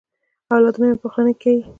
اولادونه مي په خوله نه کیې.